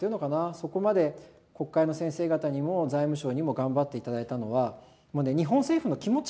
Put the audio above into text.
そこまで国会の先生方にも財務省にも頑張っていただいたのは日本政府の気持ち。